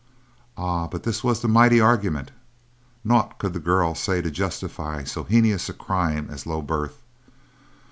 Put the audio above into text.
Ah, but this was the mighty argument! Naught could the girl say to justify so heinous a crime as low birth.